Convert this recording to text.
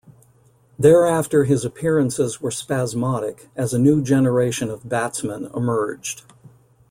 Thereafter his appearances were spasmodic as a new generation of batsmen emerged.